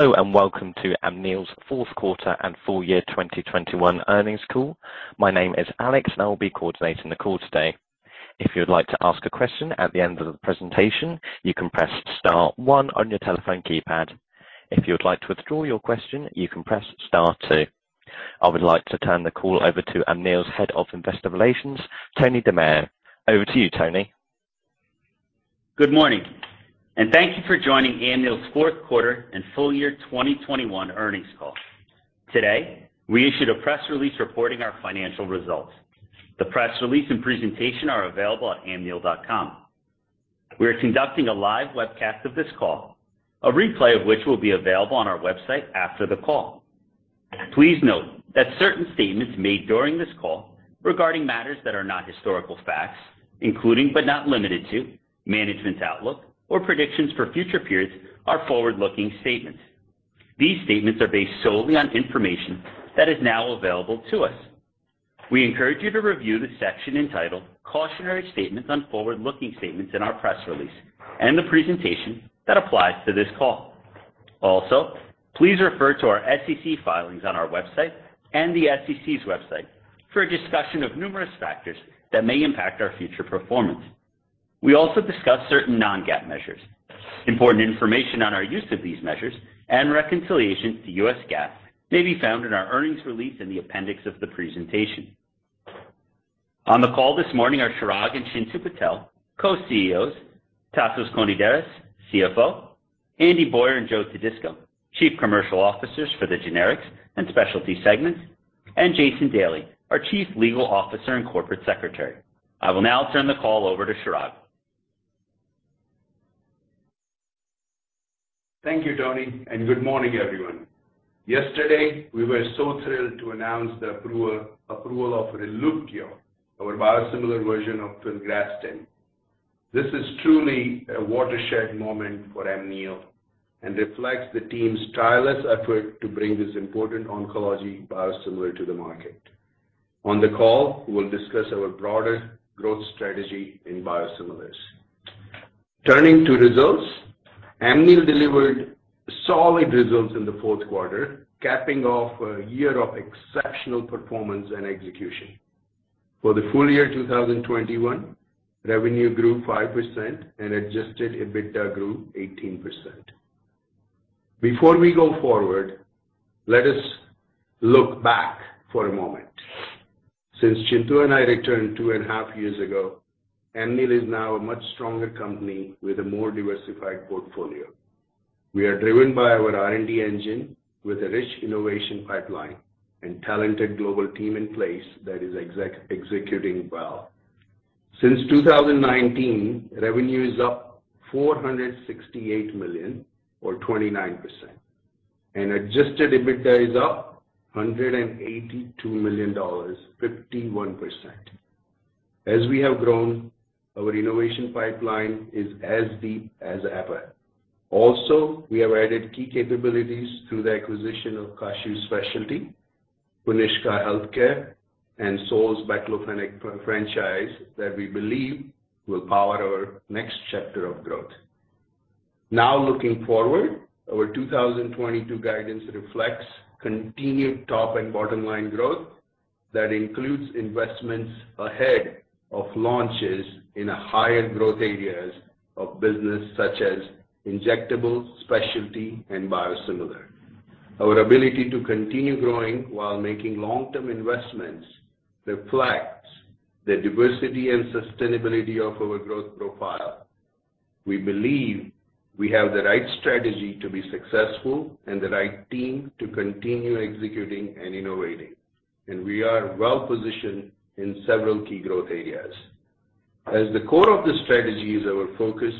Hello, and welcome to Amneal's Q4 and full year 2021 earnings call. My name is Alex, and I will be coordinating the call today. If you'd like to ask a question at the end of the presentation, you can press star one on your telephone keypad. If you'd like to withdraw your question, you can press star two. I would like to turn the call over to Amneal's Head of Investor Relations, Anthony DiMeo. Over to you, Tony. Good morning, and thank you for joining Amneal's Q4 and full year 2021 earnings call. Today, we issued a press release reporting our financial results. The press release and presentation are available at amneal.com. We are conducting a live webcast of this call, a replay of which will be available on our website after the call. Please note that certain statements made during this call regarding matters that are not historical facts, including but not limited to management's outlook or predictions for future periods, are forward-looking statements. These statements are based solely on information that is now available to us. We encourage you to review the section entitled Cautionary Statements on Forward-looking Statements in our press release and the presentation that applies to this call. Please refer to our SEC filings on our website and the SEC's website for a discussion of numerous factors that may impact our future performance. We also discuss certain non-GAAP measures. Important information on our use of these measures and reconciliation to U.S. GAAP may be found in our earnings release in the appendix of the presentation. On the call this morning are Chirag and Chintu Patel, Co-CEOs, Tasos Konidaris, CFO, Andy Boyer and Joseph Todisco, Chief Commercial Officers for the Generics and Specialty segments, and Jason Daly, our Chief Legal Officer and Corporate Secretary. I will now turn the call over to Chirag. Thank you, Tony, and good morning, everyone. Yesterday, we were so thrilled to announce the approval of Releuko, our biosimilar version of filgrastim. This is truly a watershed moment for Amneal and reflects the team's tireless effort to bring this important oncology biosimilar to the market. On the call, we'll discuss our broader growth strategy in biosimilars. Turning to results. Amneal delivered solid results in the fourth quarter, capping off a year of exceptional performance and execution. For the full year 2021, revenue grew 5% and adjusted EBITDA grew 18%. Before we go forward, let us look back for a moment. Since Chintu and I returned two and a half years ago, Amneal is now a much stronger company with a more diversified portfolio. We are driven by our R&D engine with a rich innovation pipeline and talented global team in place that is executing well. Since 2019, revenue is up $468 million or 29%. Adjusted EBITDA is up $182 million, 51%. As we have grown, our innovation pipeline is as deep as ever. Also, we have added key capabilities through the acquisition of Kashiv Specialty, Puniska Healthcare, and Saol's baclofen franchise that we believe will power our next chapter of growth. Now, looking forward, our 2022 guidance reflects continued top and bottom line growth that includes investments ahead of launches in higher growth areas of business such as injectables, specialty, and biosimilar. Our ability to continue growing while making long-term investments reflects the diversity and sustainability of our growth profile. We believe we have the right strategy to be successful and the right team to continue executing and innovating, and we are well positioned in several key growth areas. The core of the strategy is our focus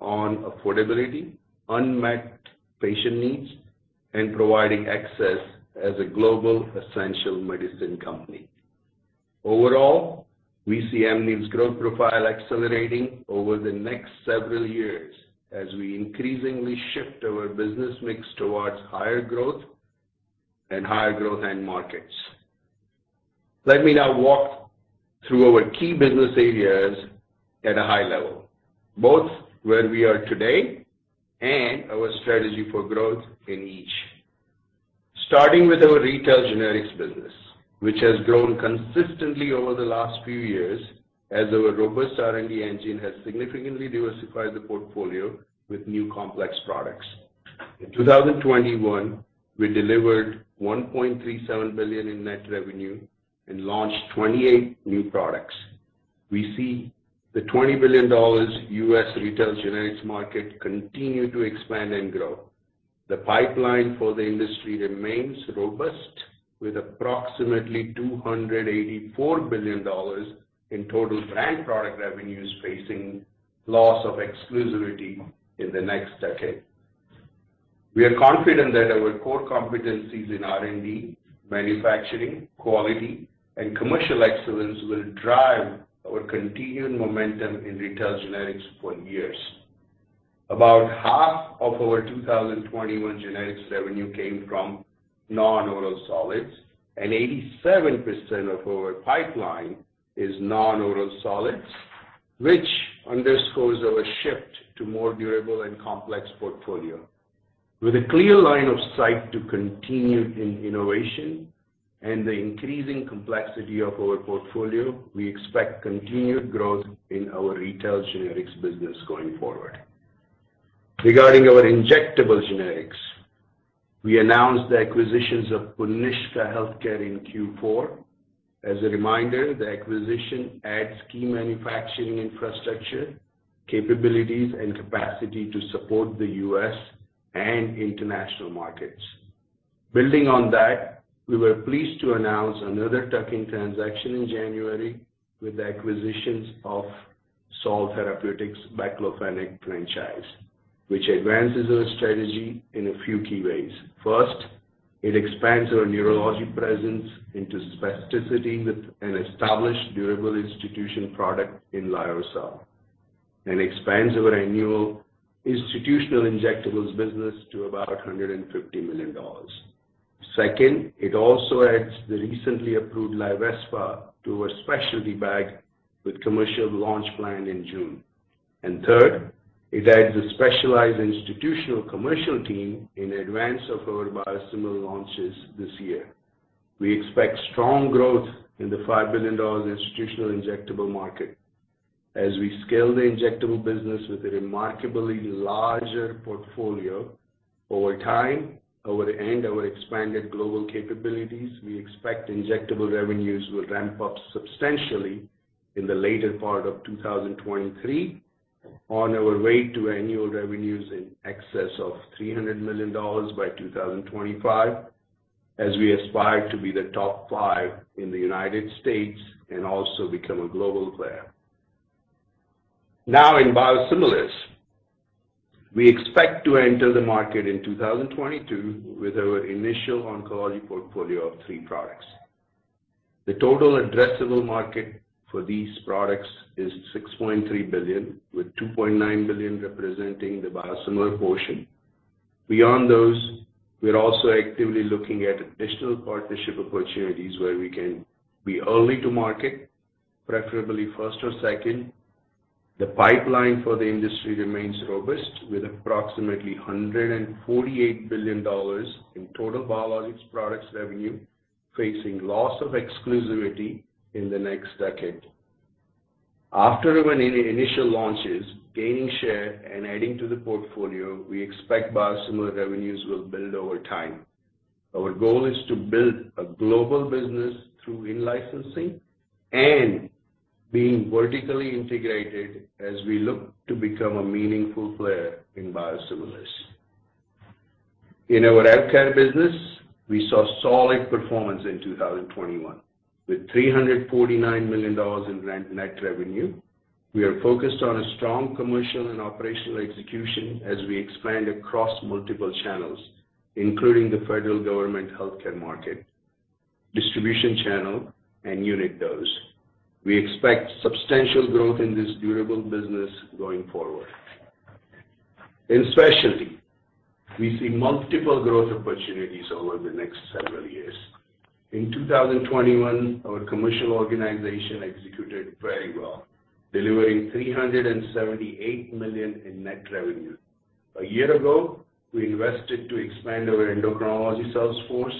on affordability, unmet patient needs, and providing access as a global essential medicine company. Overall, we see Amneal's growth profile accelerating over the next several years as we increasingly shift our business mix towards higher growth and higher growth end markets. Let me now walk through our key business areas at a high level, both where we are today and our strategy for growth in each. Starting with our Retail Generics business, which has grown consistently over the last few years as our robust R&D engine has significantly diversified the portfolio with new complex products. In 2021, we delivered $1.37 billion in net revenue and launched 28 new products. We see the $20 billion U.S. Retail Generics market continue to expand and grow. The pipeline for the industry remains robust, with approximately $284 billion in total brand product revenues facing loss of exclusivity in the next decade. We are confident that our core competencies in R&D, manufacturing, quality, and commercial excellence will drive our continued momentum in Retail Generics for years. About half of our 2021 generics revenue came from non-oral solids, and 87% of our pipeline is non-oral solids, which underscores our shift to more durable and complex portfolio. With a clear line of sight to continued innovation and the increasing complexity of our portfolio, we expect continued growth in our retail generics business going forward. Regarding our injectable generics, we announced the acquisition of Puniska Healthcare in Q4. As a reminder, the acquisition adds key manufacturing infrastructure, capabilities, and capacity to support the U.S. and international markets. Building on that, we were pleased to announce another tuck-in transaction in January with the acquisition of Saol Therapeutics' baclofen franchise, which advances our strategy in a few key ways. First, it expands our neurologic presence into spasticity with an established durable institutional product in Lioresal, and expands our annual institutional injectables business to about $150 million. Second, it also adds the recently approved Lioresal to our specialty bag with commercial launch planned in June. Third, it adds a specialized institutional commercial team in advance of our biosimilar launches this year. We expect strong growth in the $5 billion institutional injectable market. As we scale the injectable business with a remarkably larger portfolio over time and our expanded global capabilities, we expect injectable revenues will ramp up substantially in the later part of 2023 on our way to annual revenues in excess of $300 million by 2025, as we aspire to be the top 5 in the United States and also become a global player. Now in biosimilars, we expect to enter the market in 2022 with our initial oncology portfolio of 3 products. The total addressable market for these products is $6.3 billion, with $2.9 billion representing the biosimilar portion. Beyond those, we're also actively looking at additional partnership opportunities where we can be early to market, preferably first or second. The pipeline for the industry remains robust, with approximately $148 billion in total biologics products revenue facing loss of exclusivity in the next decade. After our initial launches, gaining share and adding to the portfolio, we expect biosimilar revenues will build over time. Our goal is to build a global business through in-licensing and being vertically integrated as we look to become a meaningful player in biosimilars. In our Healthcare business, we saw solid performance in 2021. With $349 million in net revenue, we are focused on a strong commercial and operational execution as we expand across multiple channels, including the federal government healthcare market, distribution channel, and unit dose. We expect substantial growth in this durable business going forward. In Specialty, we see multiple growth opportunities over the next several years. In 2021, our commercial organization executed very well, delivering $378 million in net revenue. A year ago, we invested to expand our endocrinology sales force,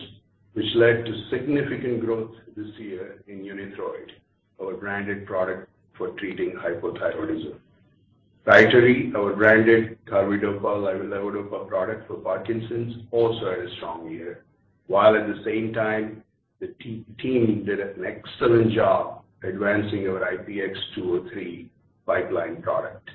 which led to significant growth this year in Unithroid, our branded product for treating hypothyroidism. Rytary, our branded carbidopa/levodopa product for Parkinson's, also had a strong year. While at the same time, the team did an excellent job advancing our IPX203 pipeline product.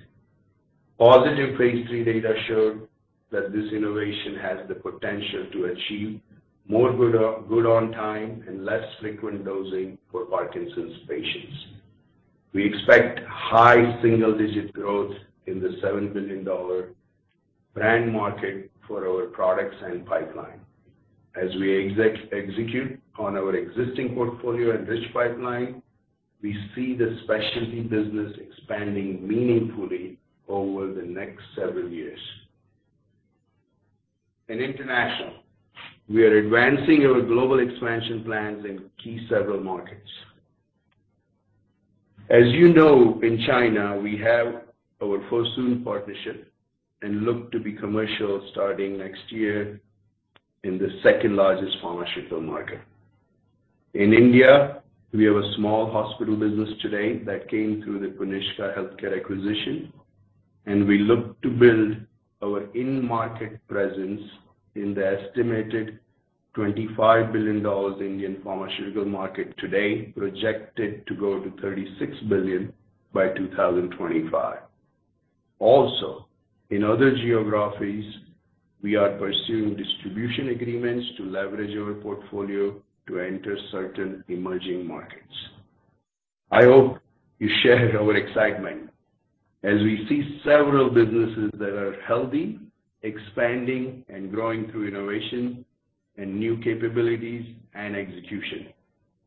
Positive phase III data showed that this innovation has the potential to achieve more ON time and less frequent dosing for Parkinson's patients. We expect high single-digit growth in the $7 billion brand market for our products and pipeline. As we execute on our existing portfolio and rich pipeline, we see the specialty business expanding meaningfully over the next several years. In International, we are advancing our global expansion plans in key several markets. As in China, we have our Fosun partnership and look to be commercial starting next year in the second-largest pharmaceutical market. In India, we have a small hospital business today that came through the Puniska Healthcare acquisition, and we look to build our in-market presence in the estimated $25 billion Indian pharmaceutical market today, projected to grow to $36 billion by 2025. Also, in other geographies, we are pursuing distribution agreements to leverage our portfolio to enter certain emerging markets. I hope you share our excitement as we see several businesses that are healthy, expanding, and growing through innovation and new capabilities and execution.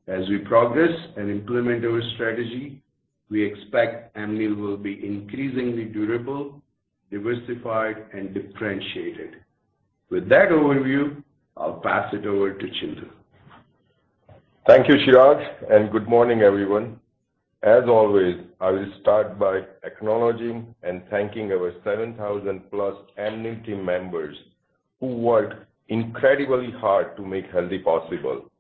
As we progress and implement our strategy, we expect Amneal will be increasingly durable, diversified, and differentiated. With that overview, I'll pass it over to Chintan. Thank you, Chirag, and good morning, everyone. As always, I will start by acknowledging and thanking our 7,000+ Amneal team members who work incredibly hard to make health possible.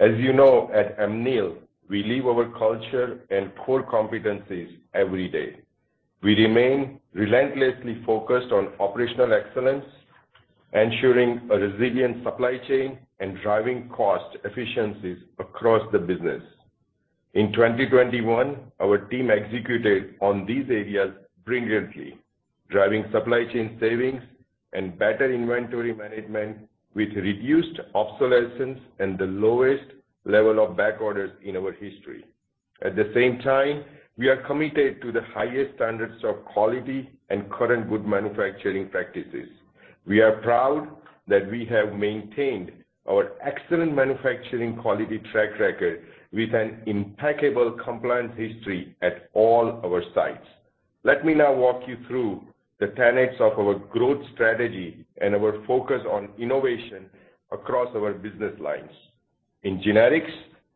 As you know, at Amneal, we live our culture and core competencies every day. We remain relentlessly focused on operational excellence, ensuring a resilient supply chain, and driving cost efficiencies across the business. In 2021, our team executed on these areas brilliantly, driving supply chain savings and better inventory management with reduced obsolescence and the lowest level of back orders in our history. At the same time, we are committed to the highest standards of quality and current good manufacturing practices. We are proud that we have maintained our excellent manufacturing quality track record with an impeccable compliance history at all our sites. Let me now walk you through the tenets of our growth strategy and our focus on innovation across our business lines. In generics,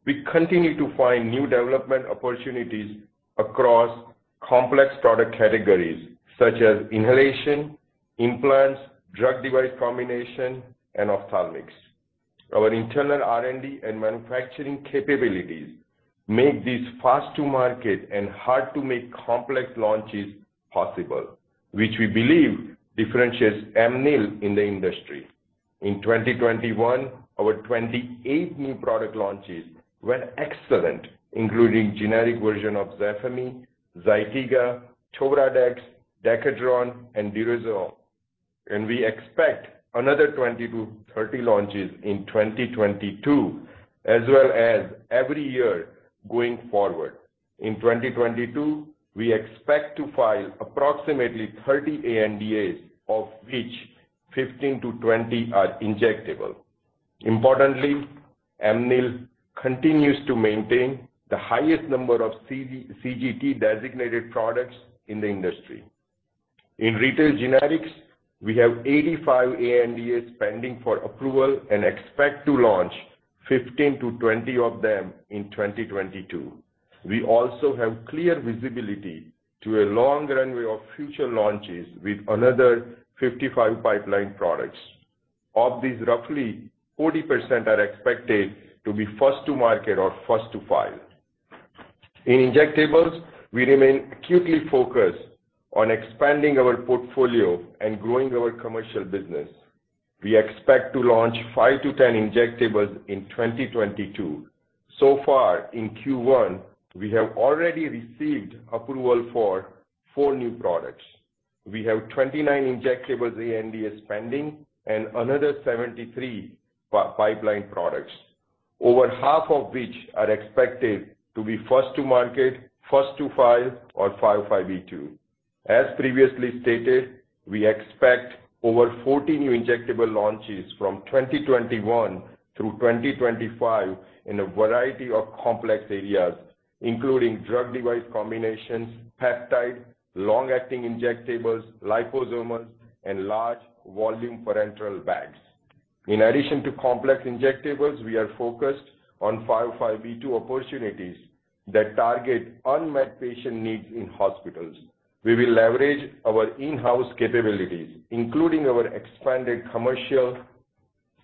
we continue to find new development opportunities across complex product categories such as inhalation, implants, drug device combination, and ophthalmics. Our internal R&D and manufacturing capabilities make these fast to market and hard to make complex launches possible, which we believe differentiates Amneal in the industry. In 2021, our 28 new product launches were excellent, including generic version of Xarelto, Zytiga, TobraDex, Decadron, and Diprivan. We expect another 20-30 launches in 2022, as well as every year going forward. In 2022, we expect to file approximately 30 ANDAs, of which 15-20 are injectable. Importantly, Amneal continues to maintain the highest number of CGT designated products in the industry. In retail generics, we have 85 ANDAs pending for approval and expect to launch 15-20 of them in 2022. We also have clear visibility to a long runway of future launches with another 55 pipeline products. Of these, roughly 40% are expected to be first to market or first to file. In injectables, we remain acutely focused on expanding our portfolio and growing our commercial business. We expect to launch 5-10 injectables in 2022. So far in Q1, we have already received approval for four new products. We have 29 injectables ANDAs pending and another 73 pipeline products, over half of which are expected to be first to market, first to file, or 505(b)(2). As previously stated, we expect over 40 new injectable launches from 2021 through 2025 in a variety of complex areas, including drug device combinations, peptides, long-acting injectables, liposomes, and large volume parenteral bags. In addition to complex injectables, we are focused on 505(b)(2) opportunities that target unmet patient needs in hospitals. We will leverage our in-house capabilities, including our expanded commercial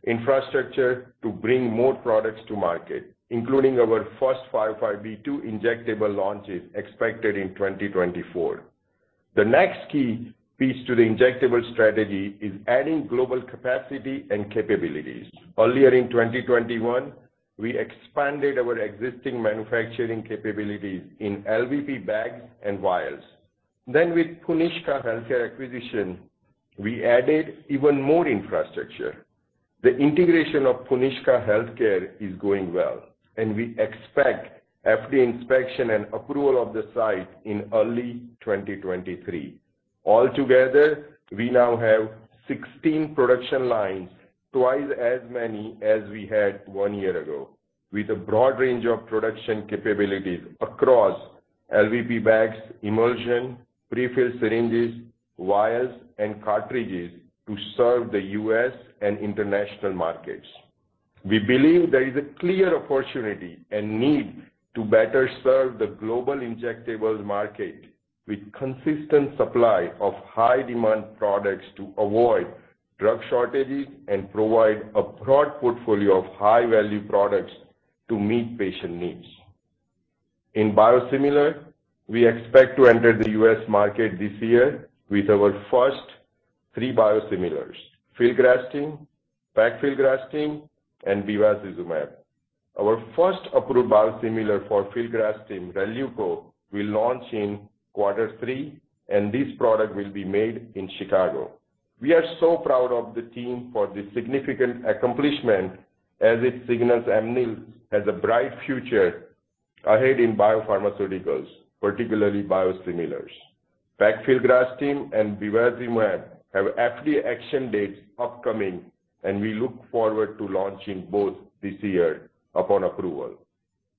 infrastructure, to bring more products to market, including our first 505(b)(2) injectable launches expected in 2024. The next key piece to the injectable strategy is adding global capacity and capabilities. Earlier in 2021, we expanded our existing manufacturing capabilities in LVP bags and vials. With Puniska Healthcare acquisition, we added even more infrastructure. The integration of Puniska Healthcare is going well, and we expect FDA inspection and approval of the site in early 2023. All together, we now have 16 production lines, twice as many as we had one year ago, with a broad range of production capabilities across LVP bags, emulsion, prefilled syringes, vials, and cartridges to serve the U.S. and international markets. We believe there is a clear opportunity and need to better serve the global injectables market with consistent supply of high demand products to avoid drug shortages and provide a broad portfolio of high-value products to meet patient needs. In biosimilar, we expect to enter the U.S. market this year with our first 3 biosimilars, filgrastim, pegfilgrastim, and bevacizumab. Our first approved biosimilar for filgrastim, Releuko, will launch in quarter three, and this product will be made in Chicago. We are so proud of the team for this significant accomplishment as it signals Amneal has a bright future ahead in biopharmaceuticals, particularly biosimilars. pegfilgrastim and bevacizumab have FDA action dates upcoming, and we look forward to launching both this year upon approval.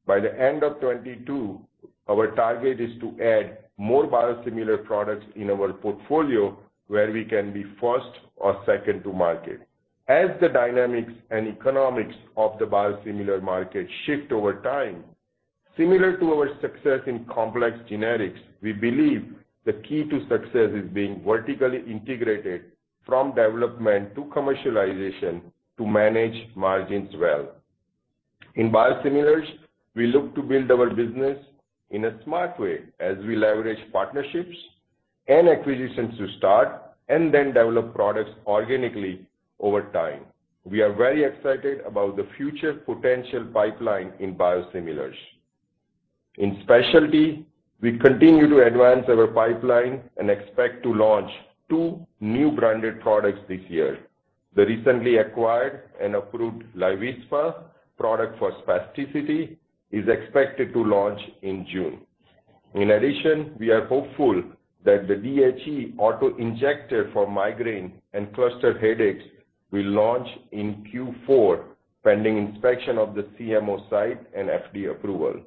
By the end of 2022, our target is to add more biosimilar products in our portfolio where we can be first or second to market. As the dynamics and economics of the biosimilar market shift over time, similar to our success in complex generics, we believe the key to success is being vertically integrated from development to commercialization to manage margins well. In biosimilars, we look to build our business in a smart way as we leverage partnerships and acquisitions to start and then develop products organically over time. We are very excited about the future potential pipeline in biosimilars. In specialty, we continue to advance our pipeline and expect to launch two new branded products this year. The recently acquired and approved LYVISPAH product for spasticity is expected to launch in June. In addition, we are hopeful that the DHE auto-injector for migraine and cluster headaches will launch in Q4, pending inspection of the CMO site and FDA approval.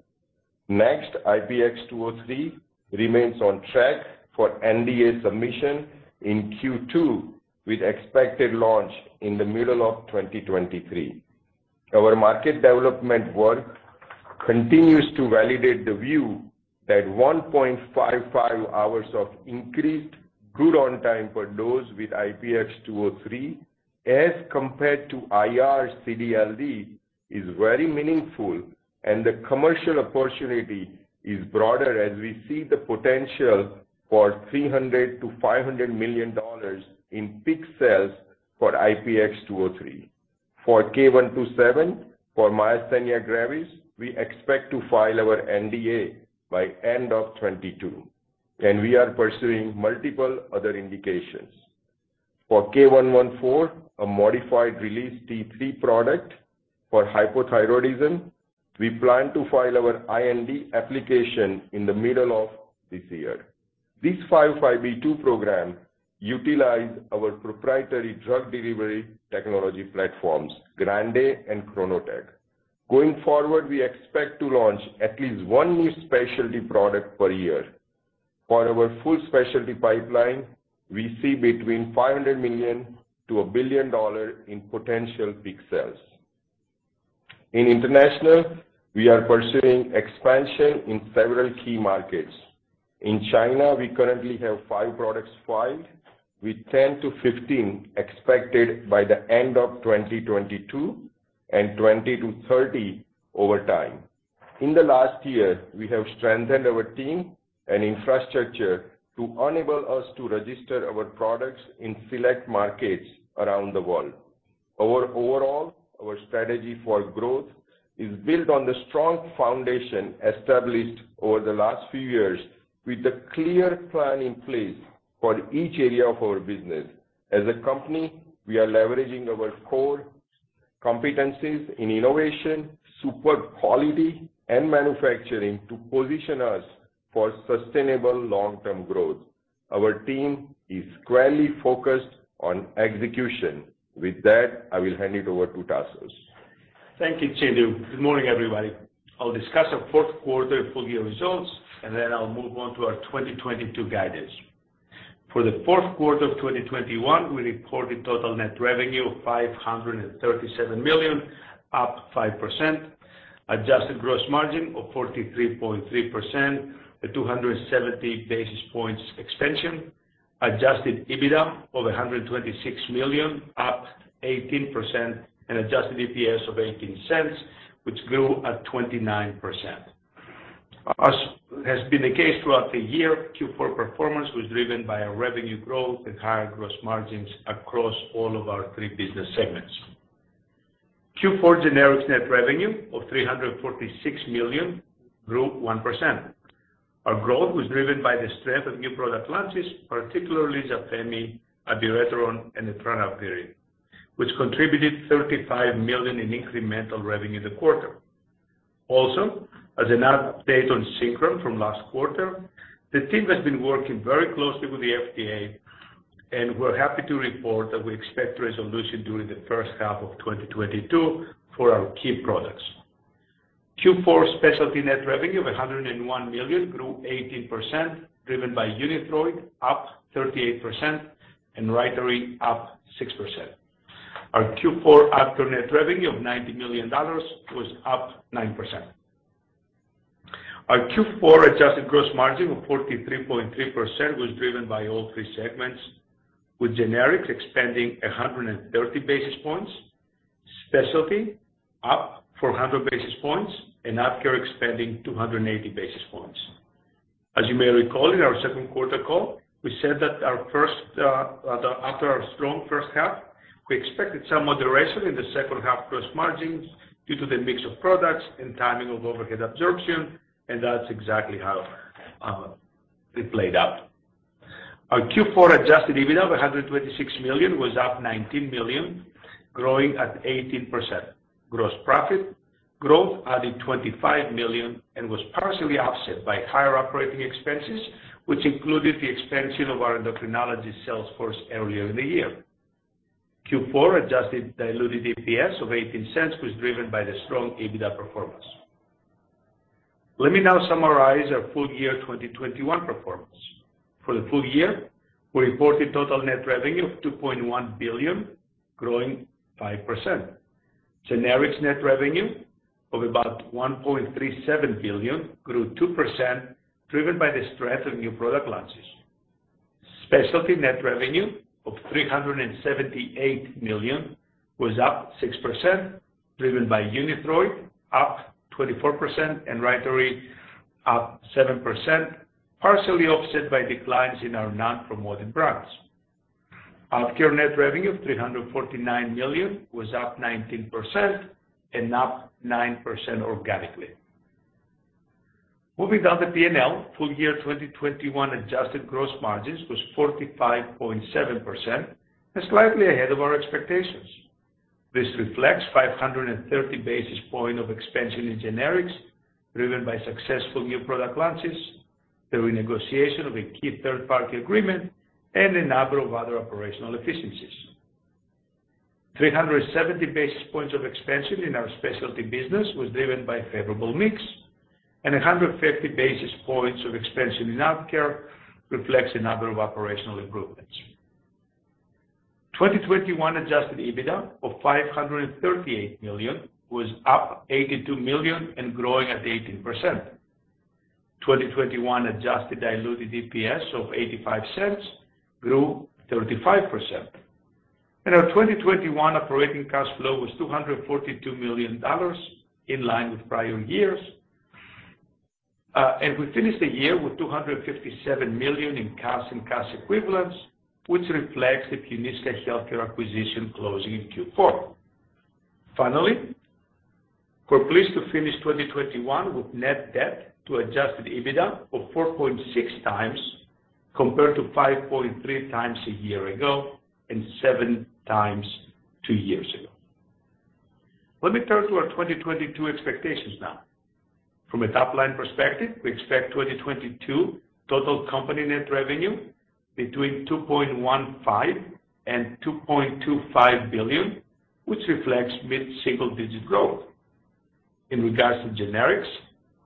Next, IPX203 remains on track for NDA submission in Q2, with expected launch in the middle of 2023. Our market development work continues to validate the view that 1.55 hours of increased good-on-time per dose with IPX203, as compared to IR CD/LD, is very meaningful, and the commercial opportunity is broader as we see the potential for $300 million-$500 million in peak sales for IPX203. For K127, for myasthenia gravis, we expect to file our NDA by end of 2022, and we are pursuing multiple other indications. For K114, a modified release T3 product for hypothyroidism, we plan to file our IND application in the middle of this year. These 505(b)(2) program utilize our proprietary drug delivery technology platforms, GRANDE and KRONOTEC. Going forward, we expect to launch at least one new specialty product per year. For our full specialty pipeline, we see between $500 million-$1 billion in potential peak sales. In international, we are pursuing expansion in several key markets. In China, we currently have 5 products filed, with 10-15 expected by the end of 2022 and 20-30 over time. In the last year, we have strengthened our team and infrastructure to enable us to register our products in select markets around the world. Our overall strategy for growth is built on the strong foundation established over the last few years with a clear plan in place for each area of our business. As a company, we are leveraging our core competencies in innovation, superior quality and manufacturing to position us for sustainable long-term growth. Our team is squarely focused on execution. With that, I will hand it over to Tassos. Thank you, Chintu. Good morning, everybody. I'll discuss our fourth quarter full year results, and then I'll move on to our 2022 guidance. For the fourth quarter of 2021, we reported total net revenue of $537 million, up 5%. Adjusted gross margin of 43.3%, a 270 basis points expansion. Adjusted EBITDA of $126 million, up 18%, and adjusted EPS of $0.18, which grew at 29%. As has been the case throughout the year, Q4 performance was driven by a revenue growth and higher gross margins across all of our three business segments. Q4 generics net revenue of $346 million grew 1%. Our growth was driven by the strength of new product launches, particularly Zafemy, Aduro and the trial period, which contributed $35 million in incremental revenue in the quarter. As an update on Synchron from last quarter, the team has been working very closely with the FDA, and we're happy to report that we expect resolution during the first half of 2022 for our key products. Q4 Specialty net revenue of $101 million grew 18%, driven by Unithroid up 38% and Rythmol up 6%. Our Q4 AvKARE net revenue of $90 million was up 9%. Our Q4 adjusted gross margin of 43.3% was driven by all three segments, with Generics expanding 130 basis points, Specialty up 400 basis points and AvKARE expanding 280 basis points. As you may recall, in our second quarter call, we said that after our strong first half, we expected some moderation in the second half gross margins due to the mix of products and timing of overhead absorption, and that's exactly how it played out. Our Q4 adjusted EBITDA of $126 million was up $19 million, growing at 18%. Gross profit growth added $25 million and was partially offset by higher operating expenses, which included the expansion of our endocrinology sales force earlier in the year. Q4 adjusted diluted EPS of $0.18 was driven by the strong EBITDA performance. Let me now summarize our full year 2021 performance. For the full year, we reported total net revenue of $2.1 billion, growing 5%. Generics net revenue of about $1.37 billion grew 2%, driven by the strength of new product launches. Specialty net revenue of $378 million was up 6%, driven by Unithroid up 24% and Rytary up 7%, partially offset by declines in our non-promoting brands. AvKARE net revenue of $349 million was up 19% and up 9% organically. Moving down the P&L, full year 2021 adjusted gross margins was 45.7% and slightly ahead of our expectations. This reflects 530 basis point of expansion in generics driven by successful new product launches, the renegotiation of a key third-party agreement, and a number of other operational efficiencies. 300 basis points of expansion in our specialty business was driven by favorable mix, and 150 basis points of expansion in Opcare reflects a number of operational improvements. 2021 adjusted EBITDA of $538 million was up $82 million and growing at 18%. 2021 adjusted diluted EPS of $0.85 grew 35%. Our 2021 operating cash flow was $242 million in line with prior years. We finished the year with $257 million in cash and cash equivalents, which reflects the Puniska Healthcare acquisition closing in Q4. Finally, we're pleased to finish 2021 with net debt to adjusted EBITDA of 4.6 times compared to 5.3 times a year ago and 7 times two years ago. Let me turn to our 2022 expectations now. From a top-line perspective, we expect 2022 total company net revenue between $2.15 billion and $2.25 billion, which reflects mid-single-digit growth. In regards to generics,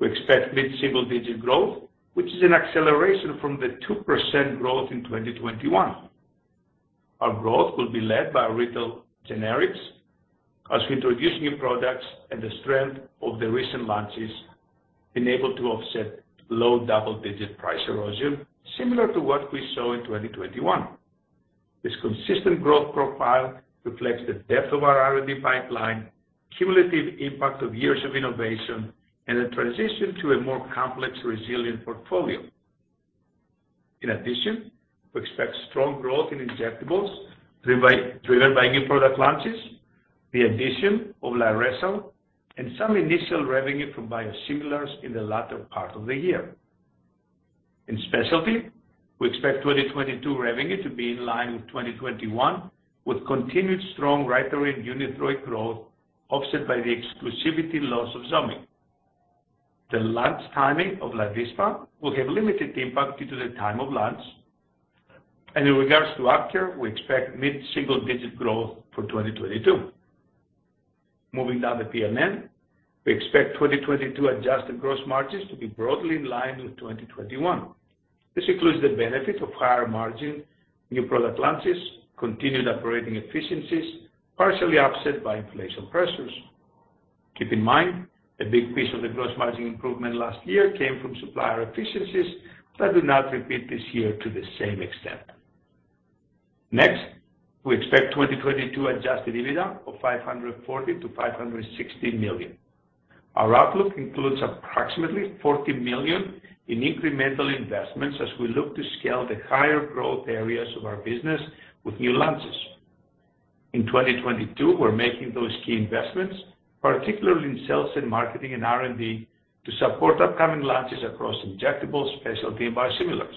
we expect mid-single-digit growth, which is an acceleration from the 2% growth in 2021. Our growth will be led by Retail Generics as we introduce new products and the strength of the recent launches being able to offset low double-digit price erosion, similar to what we saw in 2021. This consistent growth profile reflects the depth of our R&D pipeline, cumulative impact of years of innovation, and a transition to a more complex, resilient portfolio. In addition, we expect strong growth in injectables driven by new product launches, the addition of Lyrica, and some initial revenue from biosimilars in the latter part of the year. In specialty, we expect 2022 revenue to be in line with 2021, with continued strong Rytary and Unithroid growth offset by the exclusivity loss of Zomig. The launch timing of LYVISPAH will have limited impact due to the time of launch. In regards to AvKARE, we expect mid-single-digit growth for 2022. Moving down the P&L, we expect 2022 adjusted gross margins to be broadly in line with 2021. This includes the benefit of higher margin new product launches, continued operating efficiencies, partially offset by inflation pressures. Keep in mind, a big piece of the gross margin improvement last year came from supplier efficiencies that will not repeat this year to the same extent. Next, we expect 2022 adjusted EBITDA of $540 million-$560 million. Our outlook includes approximately $40 million in incremental investments as we look to scale the higher growth areas of our business with new launches. In 2022, we're making those key investments, particularly in sales and marketing and R&D, to support upcoming launches across injectables, specialty and biosimilars.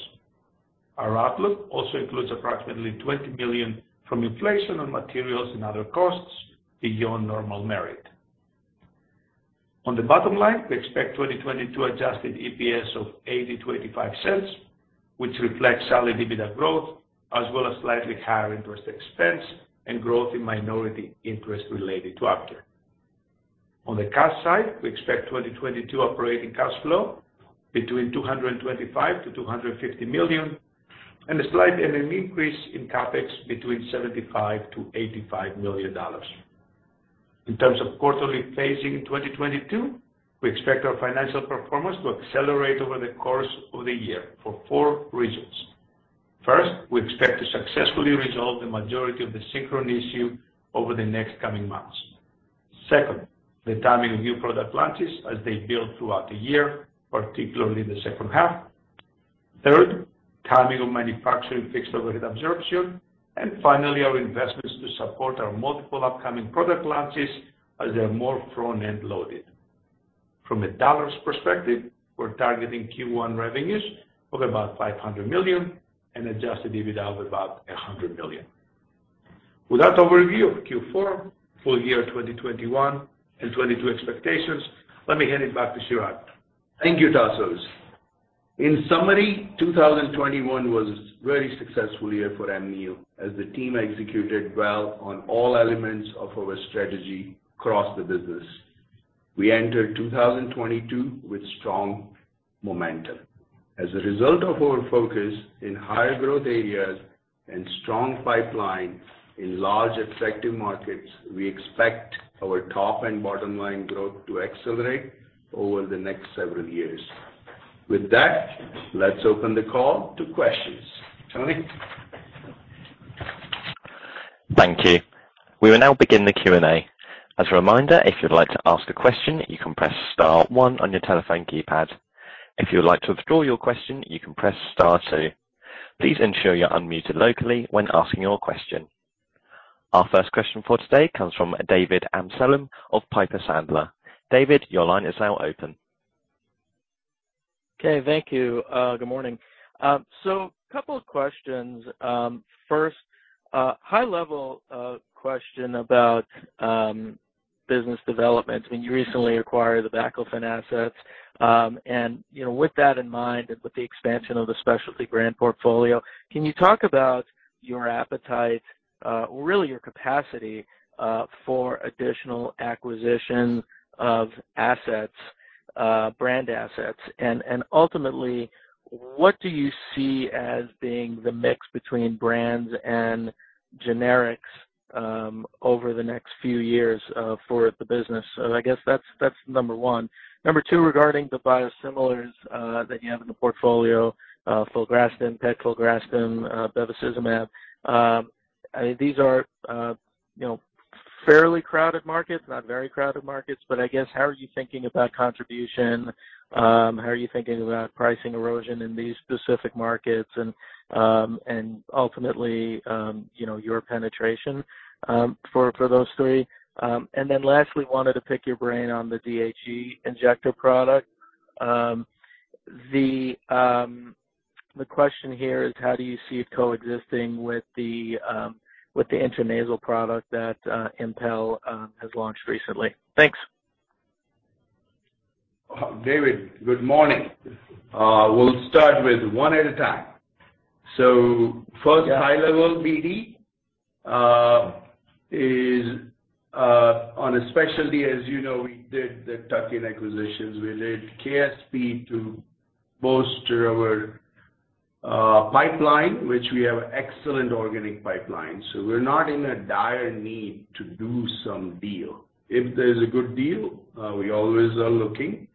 Our outlook also includes approximately $20 million from inflation on materials and other costs beyond normal merit. On the bottom line, we expect 2022 adjusted EPS of $0.80-$0.85, which reflects solid EBITDA growth, as well as slightly higher interest expense and growth in minority interest related to Opcare. On the cash side, we expect 2022 operating cash flow between $225 million-$250 million and a slight increase in CapEx between $75 million-$85 million. In terms of quarterly phasing in 2022, we expect our financial performance to accelerate over the course of the year for four reasons. First, we expect to successfully resolve the majority of the Synchron issue over the next coming months. Second, the timing of new product launches as they build throughout the year, particularly the second half. Third, timing of manufacturing fixed overhead absorption. Finally, our investments to support our multiple upcoming product launches as they are more front-end loaded. From a dollars perspective, we're targeting Q1 revenues of about $500 million and adjusted EBITDA of about $100 million. With that overview of Q4, full year 2021 and 2022 expectations, let me hand it back to Chirag. Thank you, Tasos. In summary, 2021 was a very successful year for Amneal as the team executed well on all elements of our strategy across the business. We enter 2022 with strong momentum. As a result of our focus in higher growth areas and strong pipeline in large effective markets, we expect our top and bottom line growth to accelerate over the next several years. With that, let's open the call to questions. Tony? Thank you. We will now begin the Q&A. As a reminder, if you'd like to ask a question, you can press star one on your telephone keypad. If you would like to withdraw your question, you can press star two. Please ensure you're unmuted locally when asking your question. Our first question for today comes from David Amsellem of Piper Sandler. David, your line is now open. Okay, thank you. Good morning. Couple of questions. First, high level question about business development. I mean, you recently acquired the baclofen assets. And with that in mind and with the expansion of the specialty brand portfolio, can you talk about your appetite, really your capacity, for additional acquisition of assets, brand assets? And ultimately, what do you see as being the mix between brands and generics over the next few years for the business? I guess that's number one. Number two, regarding the biosimilars that you have in the portfolio, filgrastim, pegfilgrastim, bevacizumab, these are fairly crowded markets, not very crowded markets, but I guess how are you thinking about contribution? How are you thinking about pricing erosion in these specific markets? Ultimately,, your penetration for those three. Lastly, I wanted to pick your brain on the Brekiya injector product. The question here is how do you see it coexisting with the intranasal product that Impel has launched recently? Thanks. David, good morning. We'll start with one at a time. First high level BD is on a specialty, as you know, we did the tuck-in acquisitions. We did KSP to bolster our pipeline, which we have excellent organic pipeline, so we're not in a dire need to do some deal. If there's a good deal, we always are looking,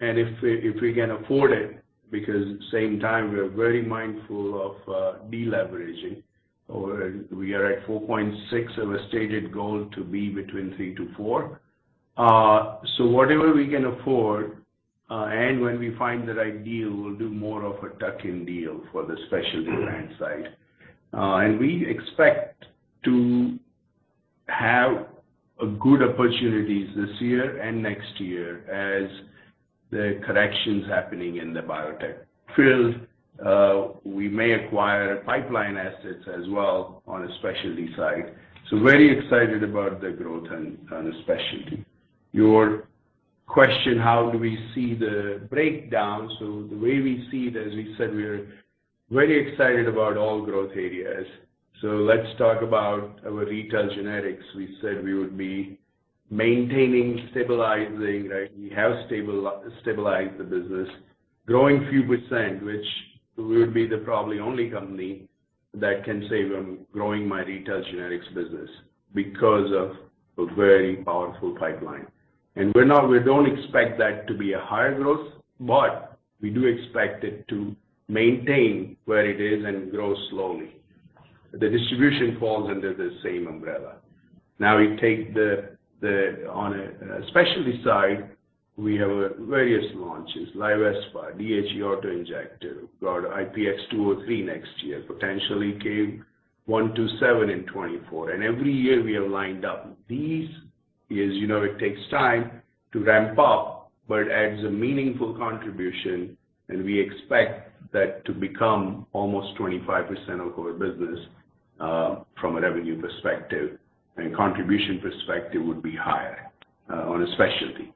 and if we can afford it, because at the same time, we are very mindful of deleveraging. We are at 4.6 of a stated goal to be between 3-4. Whatever we can afford, and when we find the right deal, we'll do more of a tuck-in deal for the specialty brand side. We expect to have good opportunities this year and next year as the corrections happening in the biotech field, we may acquire pipeline assets as well on a specialty side. Very excited about the growth on the specialty. Your question, how do we see the breakdown? The way we see it, as we said, we are very excited about all growth areas. Let's talk about our retail generics. We said we would be maintaining, stabilizing, right? We have stabilized the business, growing few percent, which we would be probably the only company that can say I'm growing my retail generics business because of a very powerful pipeline. We don't expect that to be a higher growth, but we do expect it to maintain where it is and grow slowly. The distribution falls under the same umbrella. On a specialty side, we have various launches, LYVISPAH, Brekiya, got IPX203 next year, potentially K127 in 2024. Every year we have lined up these, as you know, it takes time to ramp up, but adds a meaningful contribution, and we expect that to become almost 25% of our business, from a revenue perspective and contribution perspective would be higher, on a specialty.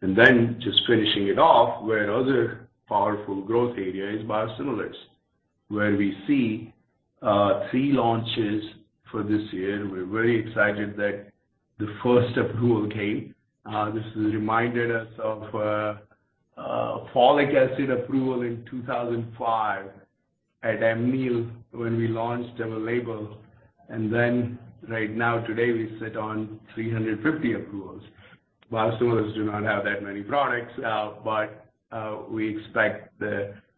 Then just finishing it off, another powerful growth area is biosimilars, where we see three launches for this year. We're very excited that the first approval came. This reminded us of folic acid approval in 2005 at Amneal when we launched our label. Then right now today, we sit on 350 approvals. Biosimilars do not have that many products out, but we expect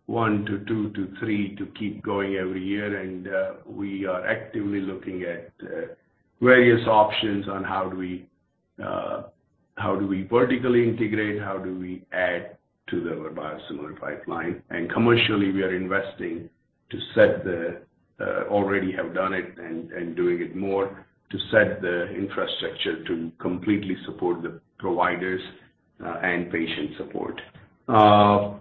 1 to 2 to 3 to keep going every year. We are actively looking at various options on how we vertically integrate, how we add to the biosimilar pipeline. Commercially, we are investing, already have done it and doing it more, to set the infrastructure to completely support the providers and patient support. The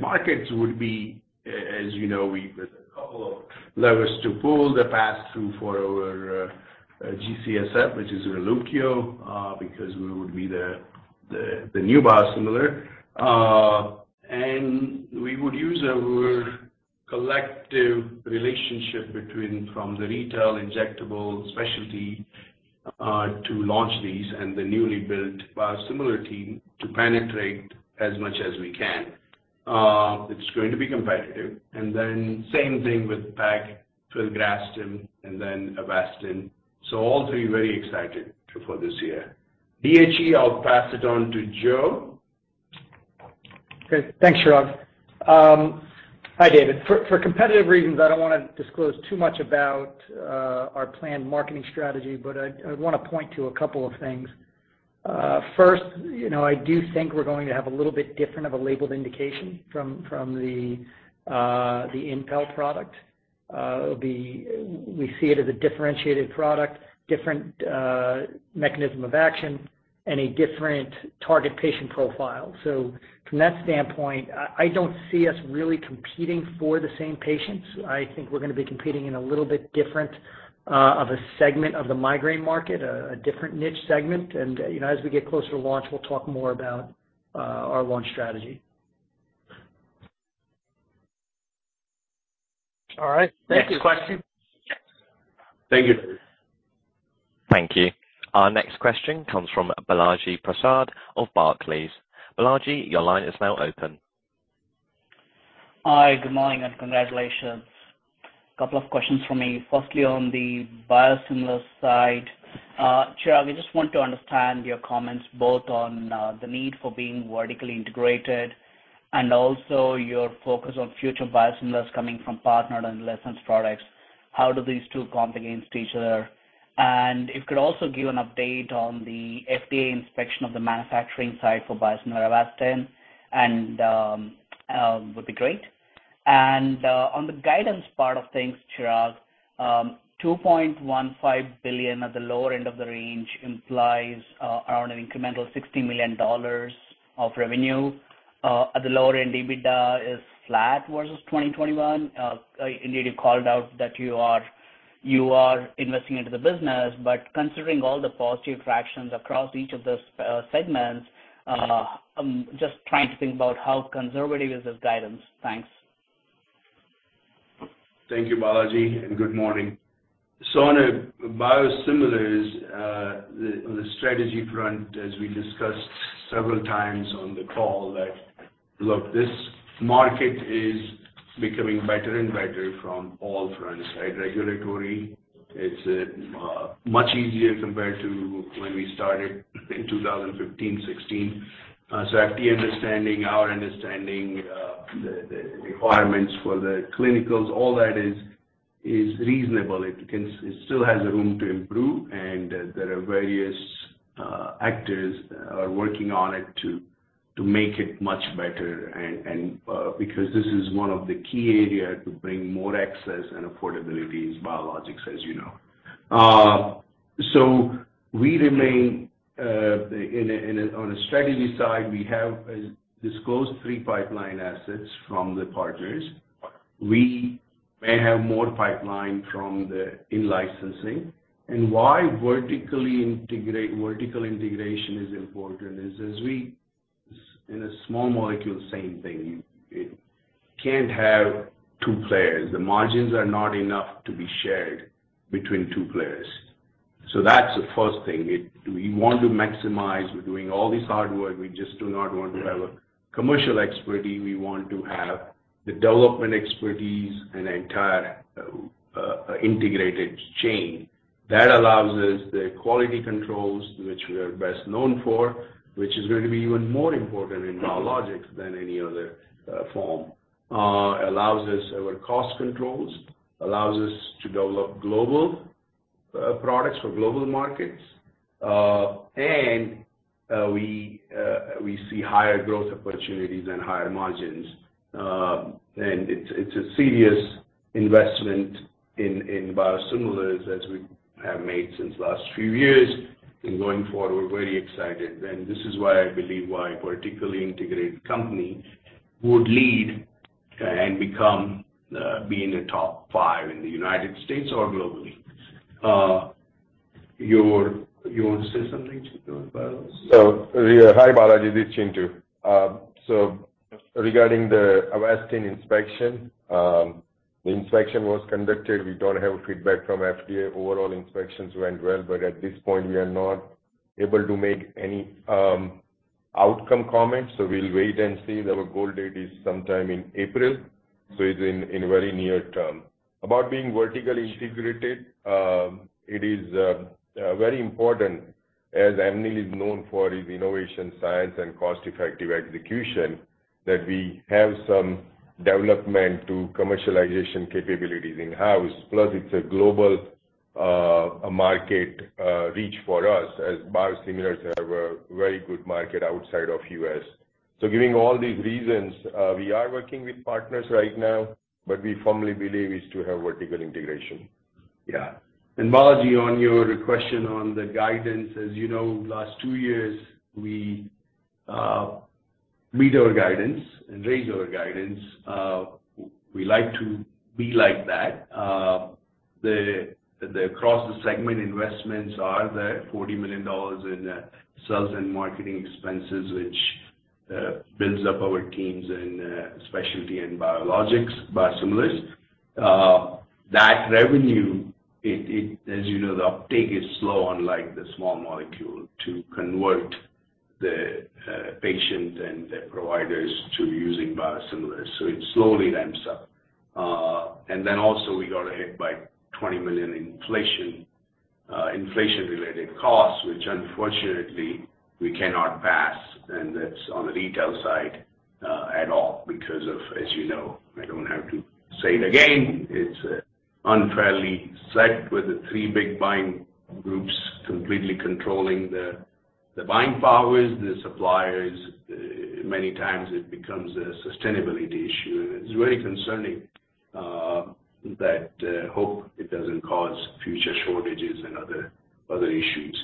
markets would be, as, we have a couple of levers to pull the pass-through for our G-CSF, which is Neulasta, because we would be the new biosimilar. We would use our collective relationship from the retail injectable specialty to launch these and the newly built biosimilar team to penetrate as much as we can. It's going to be competitive. Same thing with PAC, pegfilgrastim, and then Avastin. All three, very excited for this year. DHE, I'll pass it on to Joe. Okay. Thanks, Chirag. Hi, David. For competitive reasons, I don't wanna disclose too much about our planned marketing strategy, but I wanna point to a couple of things. First, I do think we're going to have a little bit different of a labeled indication from the Impel product. It'll be, we see it as a differentiated product, different mechanism of action and a different target patient profile. So from that standpoint, I don't see us really competing for the same patients. I think we're gonna be competing in a little bit different of a segment of the migraine market, a different niche segment. You know, as we get closer to launch, we'll talk more about our launch strategy. All right. Thank you. Next question. Yes. Thank you. Thank you. Our next question comes from Balaji Prasad of Barclays. Balaji, your line is now open. Hi. Good morning, and congratulations. Couple of questions from me. Firstly, on the biosimilar side, Chirag, we just want to understand your comments both on the need for being vertically integrated and also your focus on future biosimilars coming from partnered and licensed products. How do these two compare against each other? And if you could also give an update on the FDA inspection of the manufacturing site for biosimilar Avastin and would be great. On the guidance part of things, Chirag, $2.15 billion at the lower end of the range implies around an incremental $60 million of revenue. At the lower end, EBITDA is flat versus 2021. I mean, you called out that you are investing into the business, but considering all the positive traction across each of those segments, I'm just trying to think about how conservative is this guidance? Thanks. Thank you, Balaji, and good morning. On a biosimilars, the strategy front, as we discussed several times on the call that, look, this market is becoming better and better from all fronts, right? Regulatory, it's much easier compared to when we started in 2015, 2016. FDA understanding, our understanding, the requirements for the clinicals, all that is reasonable. It still has room to improve, and there are various actors are working on it to make it much better and because this is one of the key area to bring more access and affordability is biologics, as you know. We remain on a strategy side, we have disclosed three pipeline assets from the partners. We may have more pipeline from the in-licensing. Why vertically integrate? Vertical integration is important. In a small molecule, same thing. It can't have two players. The margins are not enough to be shared between two players. That's the first thing. We want to maximize. We're doing all this hard work. We just do not want to have a commercial expertise. We want to have the development expertise and entire integrated chain. That allows us the quality controls, which we are best known for, which is going to be even more important in biologics than any other form, allows us our cost controls, allows us to develop global products for global markets, and we see higher growth opportunities and higher margins. It's a serious investment in biosimilars as we have made since last few years. Going forward, we're very excited. This is why I believe a vertically integrated company would lead and become a top five in the United States or globally. You want to say something, Chintu, about this? Hi, Balaji. This is Chintu. Regarding the Avastin inspection, the inspection was conducted. We don't have feedback from FDA. Overall, inspections went well, but at this point, we are not able to make any outcome comments. We'll wait and see. The goal date is sometime in April, so it's in very near term. About being vertically integrated, it is very important, as Amneal is known for its innovation, science, and cost-effective execution, that we have some development to commercialization capabilities in-house. Plus it's a global market reach for us as biosimilars have a very good market outside of U.S. Giving all these reasons, we are working with partners right now, but we firmly believe is to have vertical integration. Yeah. Balaji, on your question on the guidance, as last two years, we meet our guidance and raise our guidance. We like to be like that. The across the segment investments are the $40 million in sales and marketing expenses, which builds up our teams in specialty and biologics, biosimilars. That revenue, it, as the uptake is slow, unlike the small molecule, to convert the patients and their providers to using biosimilars. It slowly ramps up. Then also we got hit by $20 million inflation-related costs, which unfortunately we cannot pass, and that's on the retail side at all because of, as I don't have to say it again, it's unfairly set with the three big buying groups completely controlling the buying powers, the suppliers. Many times it becomes a sustainability issue, and it's very concerning that I hope it doesn't cause future shortages and other issues.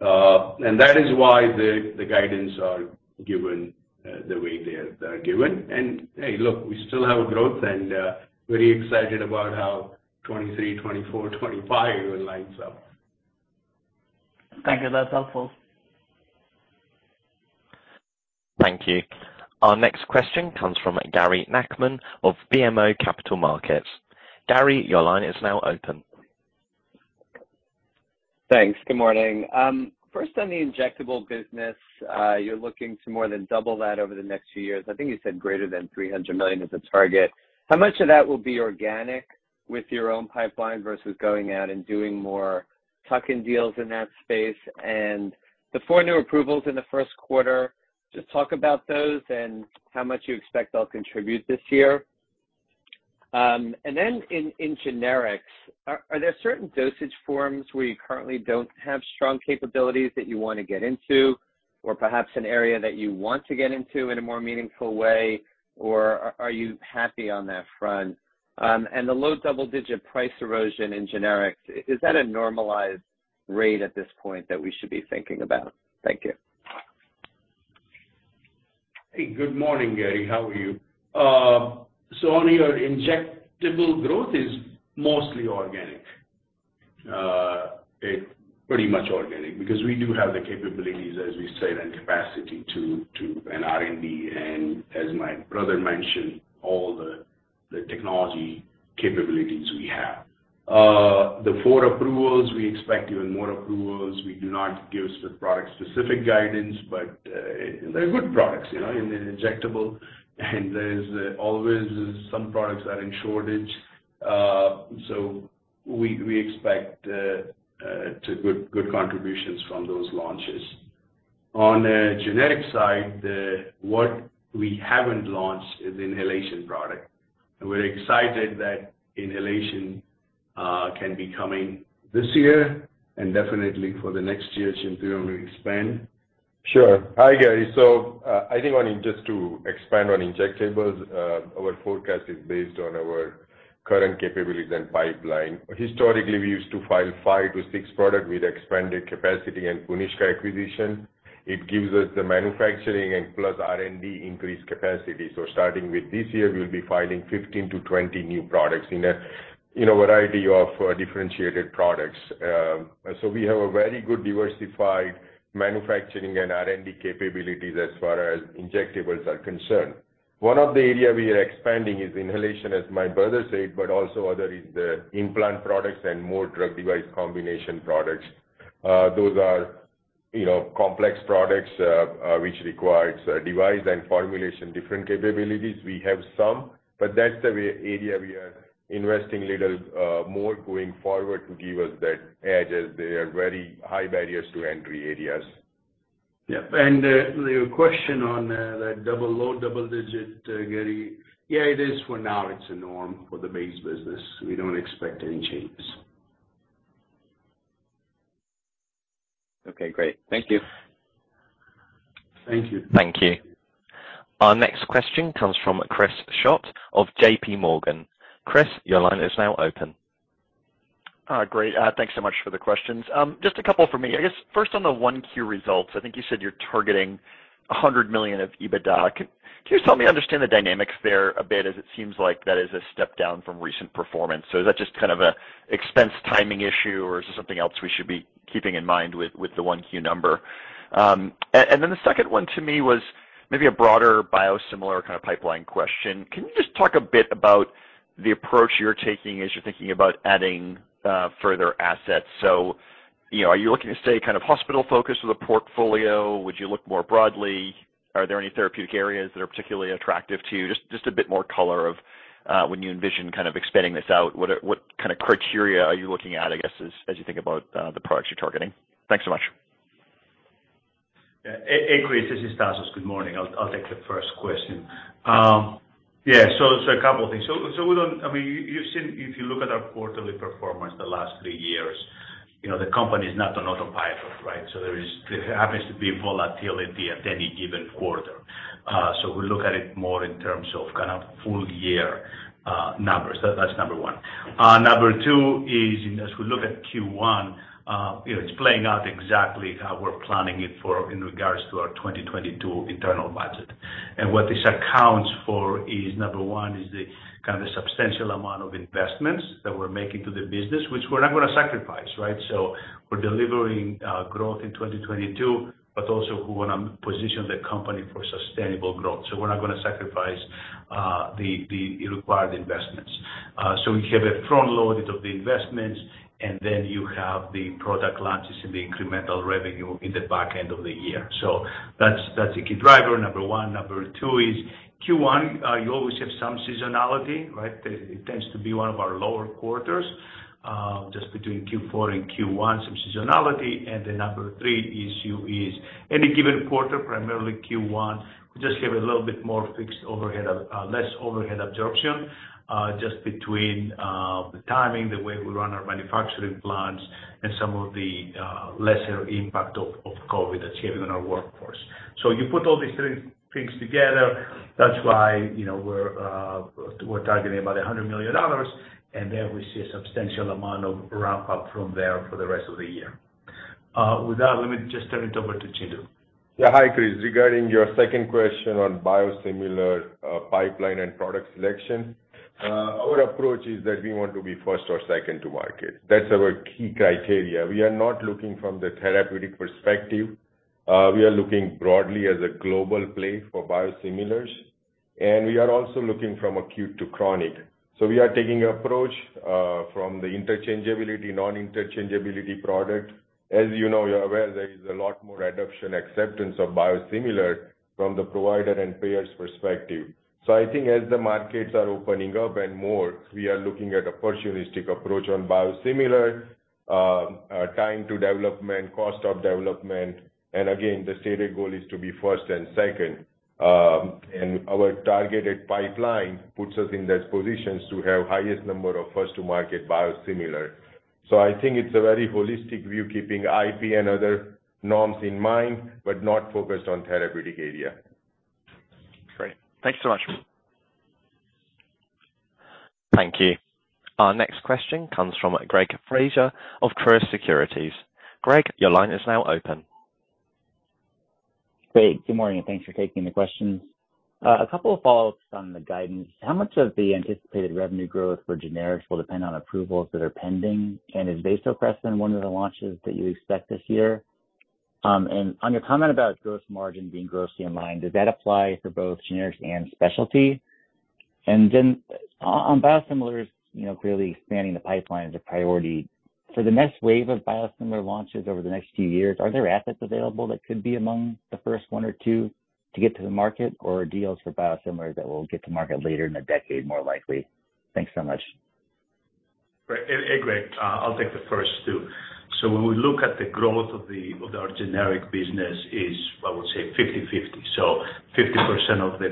That is why the guidance are given the way they are given. Hey, look, we still have growth and very excited about how 2023, 2024, 2025 lines up. Thank you. That's helpful. Thank you. Our next question comes from Gary Nachman of BMO Capital Markets. Gary, your line is now open. Thanks. Good morning. First on the injectable business, you're looking to more than double that over the next few years. I think you said greater than $300 million is the target. How much of that will be organic with your own pipeline versus going out and doing more tuck-in deals in that space? The 4 new approvals in the first quarter, just talk about those and how much you expect they'll contribute this year. In generics, are there certain dosage forms where you currently don't have strong capabilities that you wanna get into? Or perhaps an area that you want to get into in a more meaningful way, or are you happy on that front? The low double-digit price erosion in generics, is that a normalized rate at this point that we should be thinking about? Thank you. Hey, good morning, Gary. How are you? So on your injectable growth is mostly organic. It pretty much organic because we do have the capabilities, as we say, and capacity and R&D, and as my brother mentioned, all the technology capabilities we have. The four approvals, we expect even more approvals. We do not give product specific guidance, but, they're good products in an injectable, and there's always some products that are in shortage. We expect to good contributions from those launches. On the generic side, what we haven't launched is inhalation product. We're excited that inhalation can be coming this year and definitely for the next year, should really expand. Sure. Hi, Gary. I think only just to expand on injectables, our forecast is based on our current capabilities and pipeline. Historically, we used to file 5-6 product with expanded capacity and Puniska acquisition. It gives us the manufacturing and plus R&D increased capacity. Starting with this year, we'll be filing 15-20 new products in a variety of differentiated products. We have a very good diversified manufacturing and R&D capabilities as far as injectables are concerned. One of the area we are expanding is inhalation, as my brother said, but also other is the implant products and more drug device combination products. Those are complex products, which requires a device and formulation, different capabilities. We have some, but that's the area we are investing little more going forward to give us that edge, as they are very high barriers to entry areas. Yeah. Your question on that low double-digit, Gary. Yeah, it is for now. It's a norm for the base business. We don't expect any changes. Okay, great. Thank you. Thank you. Thank you. Our next question comes from Chris Schott of J.P. Morgan. Chris, your line is now open. Great. Thanks so much for the questions. Just a couple for me. I guess first on the 1Q results, I think you said you're targeting $100 million of EBITDA. Can you just help me understand the dynamics there a bit, as it seems like that is a step down from recent performance. Is that just kind of an expense timing issue, or is there something else we should be keeping in mind with the 1Q number? The second one to me was maybe a broader biosimilar kind of pipeline question. Can you just talk a bit about the approach you're taking as you're thinking about adding further assets? You know, are you looking to stay kind of hospital focused with a portfolio? Would you look more broadly? Are there any therapeutic areas that are particularly attractive to you? Just a bit more color on when you envision kind of expanding this out, what kind of criteria are you looking at, I guess, as you think about the products you're targeting? Thanks so much. Yeah. And Chris, this is Tassos. Good morning. I'll take the first question. Yeah, a couple of things. We don't. I mean, you've seen if you look at our quarterly performance the last three years the company is not on autopilot, right? There happens to be volatility at any given quarter. We look at it more in terms of kind of full year. Numbers. That's number one. Number two is, as we look at Q1 it's playing out exactly how we're planning it for in regards to our 2022 internal budget. What this accounts for is, number one, the kind of substantial amount of investments that we're making to the business, which we're not gonna sacrifice, right? We're delivering growth in 2022, but also we wanna position the company for sustainable growth. We're not gonna sacrifice the required investments. We have a front load of the investments, and then you have the product launches and the incremental revenue in the back end of the year. That's a key driver, number one. Number two is Q1. You always have some seasonality, right? It tends to be one of our lower quarters, just between Q4 and Q1, some seasonality. Then number three issue is any given quarter, primarily Q1, we just have a little bit more fixed overhead, less overhead absorption, just between the timing, the way we run our manufacturing plants and some of the lesser impact of COVID that's having on our workforce. You put all these three things together, that's why we're targeting about $100 million, and then we see a substantial amount of ramp up from there for the rest of the year. With that, let me just turn it over to Chintu. Yeah. Hi, Chris. Regarding your second question on biosimilar pipeline and product selection, our approach is that we want to be first or second to market. That's our key criteria. We are not looking from the therapeutic perspective. We are looking broadly as a global play for biosimilars, and we are also looking from acute to chronic. We are taking approach from the interchangeability, non-interchangeability product. As you know, you're aware there is a lot more adoption acceptance of biosimilar from the provider and payers perspective. I think as the markets are opening up and more, we are looking at opportunistic approach on biosimilar, time to development, cost of development. Again, the stated goal is to be first and second. Our targeted pipeline puts us in that positions to have highest number of first to market biosimilar. I think it's a very holistic view keeping IP and other norms in mind, but not focused on therapeutic area. Great. Thanks so much. Thank you. Our next question comes from Greg Fraser of Truist Securities. Greg, your line is now open. Great. Good morning, and thanks for taking the questions. A couple of follow-ups on the guidance. How much of the anticipated revenue growth for generics will depend on approvals that are pending? Is Vasopressin one of the launches that you expect this year? On your comment about gross margin being grossly in mind, does that apply for both generics and specialty? On biosimilars clearly expanding the pipeline is a priority. For the next wave of biosimilar launches over the next few years, are there assets available that could be among the first one or two to get to the market, or deals for biosimilars that will get to market later in the decade, more likely? Thanks so much. Great. Greg, I'll take the first two. When we look at the growth of our generic business, I would say, 50/50. 50% of the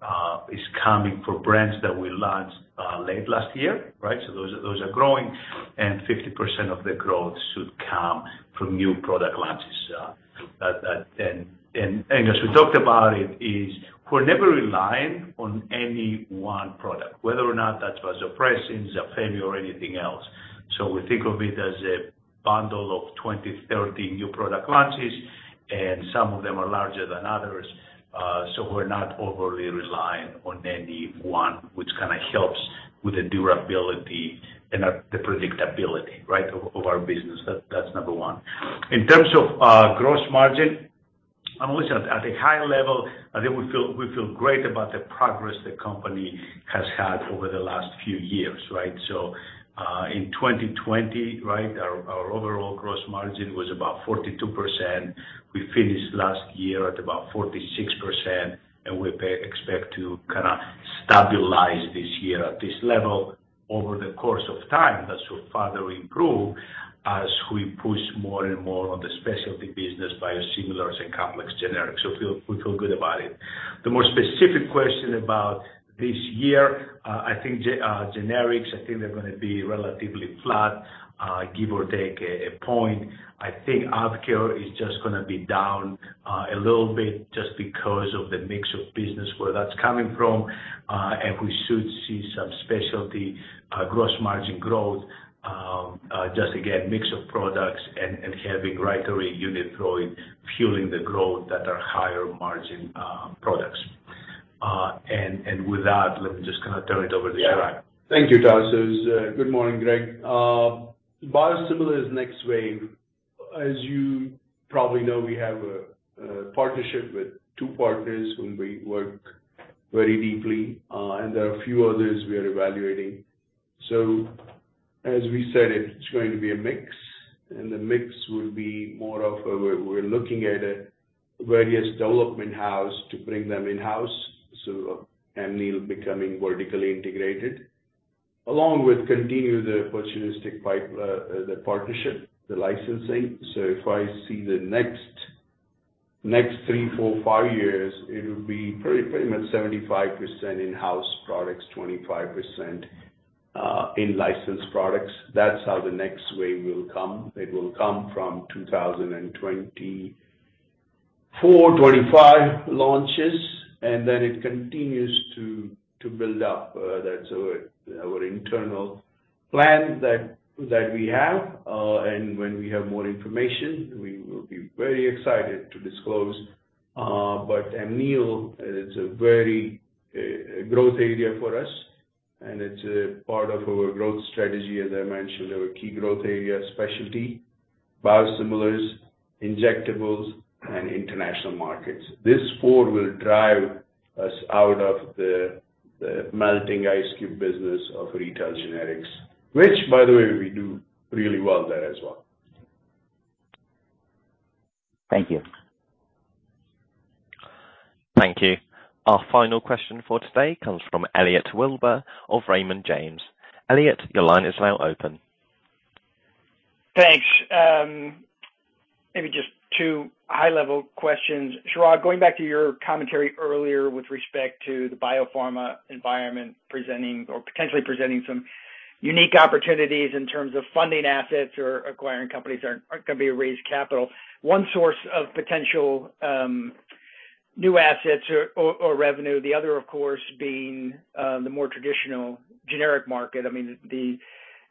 growth is coming from brands that we launched late last year, right? Those are growing, and 50% of the growth should come from new product launches. As we talked about, it is we're never relying on any one product, whether or not that's vasopressin, Zafemy or anything else. We think of it as a bundle of 20, 30 new product launches, and some of them are larger than others. We're not overly reliant on any one, which kind of helps with the durability and the predictability, right? Of our business. That's number 1. In terms of gross margin, I'm always at a high level, I think we feel great about the progress the company has had over the last few years, right? In 2020, right, our overall gross margin was about 42%. We finished last year at about 46%, and we expect to kinda stabilize this year at this level over the course of time. That should further improve as we push more and more on the specialty business, biosimilars and complex generics. We feel good about it. The more specific question about this year, I think generics, I think they're gonna be relatively flat, give or take a point. I think AvKARE is just gonna be down a little bit just because of the mix of business, where that's coming from. We should see some specialty gross margin growth, just again, mix of products and having Generics unit growing, fueling the growth that are higher margin products. With that, let me just kinda turn it over to Chintu. Yeah. Thank you, Tasos. Good morning, Greg. Biosimilars next wave, as you probably know, we have a partnership with two partners whom we work very deeply, and there are a few others we are evaluating. As we said, it's going to be a mix, and the mix will be more of a, we're looking at various development houses to bring them in-house. Amneal becoming vertically integrated, along with continuing the opportunistic partnerships, the licensing. If I see the next three, four, five years, it'll be pretty much 75% in-house products, 25% in licensed products. That's how the next wave will come. It will come from 2024-2025 launches, and then it continues to build up. That's our internal plan that we have. When we have more information, we will be very excited to disclose. Amneal is a very growth area for us, and it's a part of our growth strategy. As I mentioned, our key growth area, Specialty, Biosimilars, Injectables and International Markets. These four will drive us out of the melting ice cube business of retail generics, which by the way, we do really well there as well. Thank you. Thank you. Our final question for today comes from Elliot Wilbur of Raymond James. Elliot, your line is now open. Thanks. Maybe just two high-level questions. Chirag, going back to your commentary earlier with respect to the biopharma environment presenting or potentially presenting some unique opportunities in terms of funding assets or acquiring companies that aren't gonna raise capital. One source of potential new assets or revenue. The other of course being the more traditional generic market. I mean,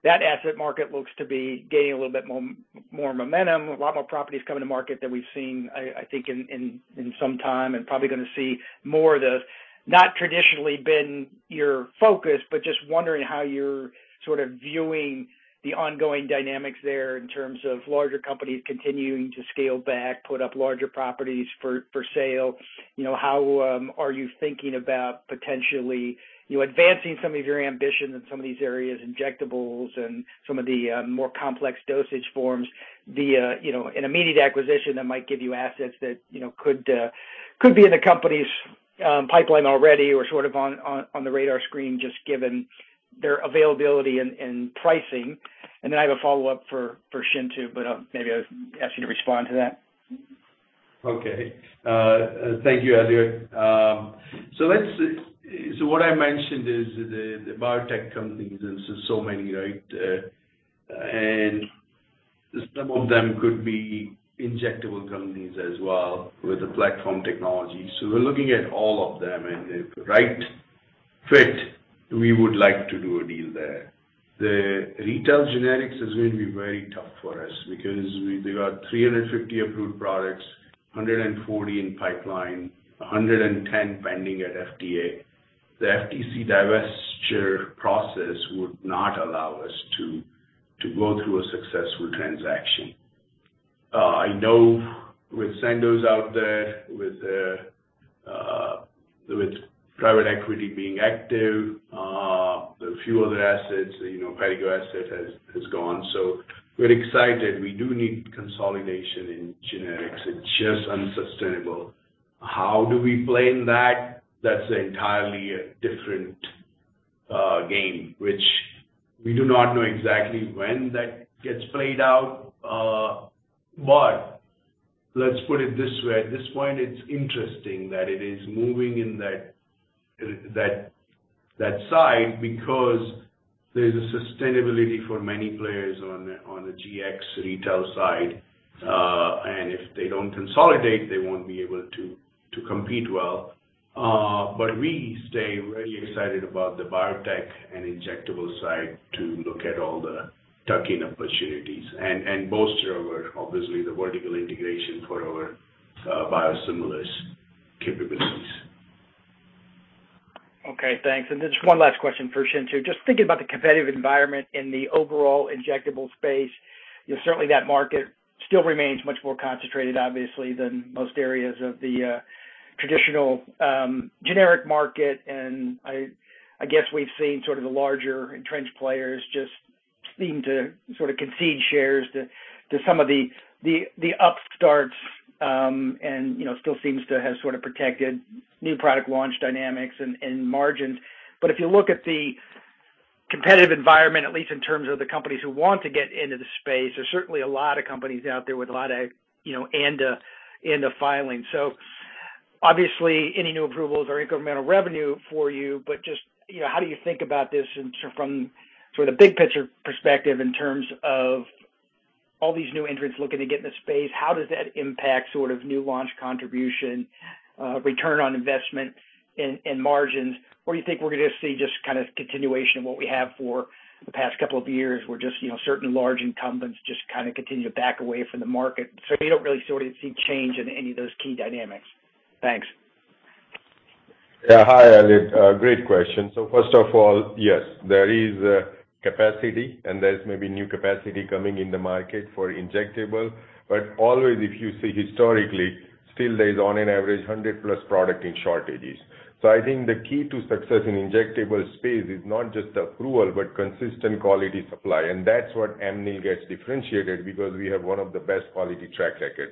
that asset market looks to be gaining a little bit more momentum. A lot more properties coming to market than we've seen I think in some time and probably gonna see more of those. Not traditionally been your focus, but just wondering how you're sort of viewing the ongoing dynamics there in terms of larger companies continuing to scale back, put up larger properties for sale. You know, how are you thinking about potentially advancing some of your ambitions in some of these areas, injectables and some of the more complex dosage forms via, an immediate acquisition that might give you assets that could be in the company's pipeline already or sort of on the radar screen, just given their availability and pricing? I have a follow-up for Chintu, but maybe I'll ask you to respond to that. Okay. Thank you, Elliot. What I mentioned is the biotech companies and so many, right? Some of them could be injectable companies as well with the platform technology. We're looking at all of them and if right fit, we would like to do a deal there. The retail generics is going to be very tough for us because we got 350 approved products, 140 in pipeline, 110 pending at FDA. The FTC divestiture process would not allow us to go through a successful transaction. I know with Sandoz out there, with private equity being active, there are few other assets Perrigo asset has gone. We're excited. We do need consolidation in generics. It's just unsustainable. How do we play in that? That's entirely a different game, which we do not know exactly when that gets played out. Let's put it this way. At this point it's interesting that it is moving in that side because there's a sustainability for many players on the GX retail side. If they don't consolidate, they won't be able to compete well. We stay really excited about the biotech and injectable side to look at all the tuck-in opportunities and bolster our, obviously the vertical integration for our biosimilars capabilities. Okay, thanks. Just one last question for Chintu Patel. Just thinking about the competitive environment in the overall injectable space. You know, certainly that market still remains much more concentrated obviously than most areas of the traditional generic market. I guess we've seen sort of the larger entrenched players just seem to sort of concede shares to some of the upstarts. You know, still seems to have sort of protected new product launch dynamics and margins. If you look at the competitive environment, at least in terms of the companies who want to get into the space, there's certainly a lot of companies out there with a lot of filings. Obviously any new approvals or incremental revenue for you, but just how do you think about this from sort of big picture perspective in terms of all these new entrants looking to get in the space, how does that impact sort of new launch contribution, return on investment and margins? Or you think we're gonna see just kind of continuation of what we have for the past couple of years, where just, certain large incumbents just kind of continue to back away from the market. We don't really sort of see change in any of those key dynamics. Thanks. Yeah. Hi, Elliot. Great question. First of all, yes, there is capacity and there's maybe new capacity coming in the market for injectables, but always if you see historically, still there is on average 100-plus products in shortages. I think the key to success in injectables space is not just approval, but consistent quality supply. That's what Amneal gets differentiated because we have one of the best quality track record.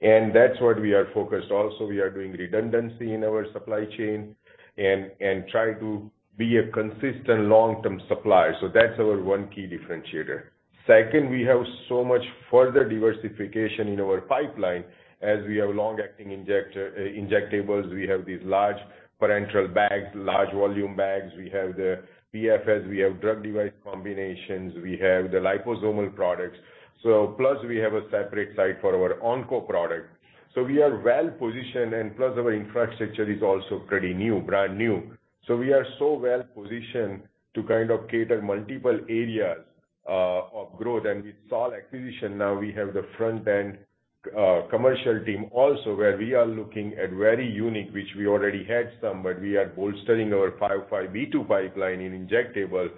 That's what we are focused. Also, we are doing redundancy in our supply chain and try to be a consistent long-term supplier. That's our one key differentiator. Second, we have so much further diversification in our pipeline as we have long-acting injectables. We have these large parenteral bags, large volume bags. We have the BFS, we have drug device combinations, we have the liposomal products. Plus we have a separate site for our onco product. We are well positioned. Plus our infrastructure is also pretty new, brand new. We are so well positioned to kind of cater multiple areas of growth. With Saol acquisition now we have the front end commercial team also where we are looking at very unique, which we already had some, but we are bolstering our 505(b)(2) pipeline in injectable,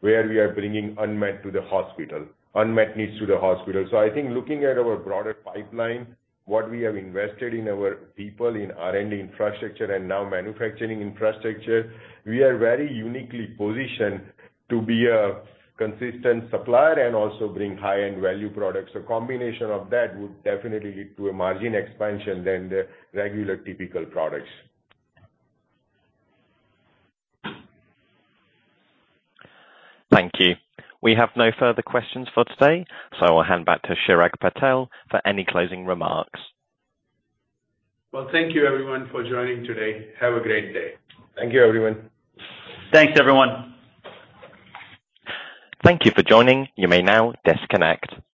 where we are bringing unmet to the hospital, unmet needs to the hospital. I think looking at our broader pipeline, what we have invested in our people in R&D infrastructure and now manufacturing infrastructure, we are very uniquely positioned to be a consistent supplier and also bring high-end value products. A combination of that would definitely lead to a margin expansion than the regular typical products. Thank you. We have no further questions for today, so I'll hand back to Chirag Patel for any closing remarks. Well, thank you everyone for joining today. Have a great day. Thank you, everyone. Thanks, everyone. Thank you for joining. You may now disconnect.